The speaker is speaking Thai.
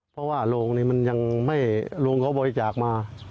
เพราะว่าโรงนี้มันยังไม่โรงเขาบริจาคมา